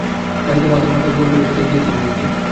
বাড়িতে পা দেওয়ামাত্র গোপাল বলিল, কোথায় গিয়াছিলি শশী?